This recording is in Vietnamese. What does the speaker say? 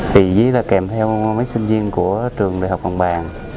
chỉ là kèm theo mấy sinh viên của trường đại học hồng bàng